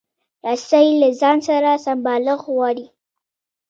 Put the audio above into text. رسۍ له ځان سره سمبالښت غواړي.